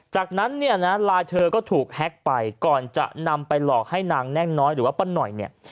จากนั้นเนี่ยนะไลน์เธอก็ถูกแฮ็กไปก่อนจะนำไปหลอกให้นางแน่งน้อยหรือว่าป้าหน่อยเนี่ย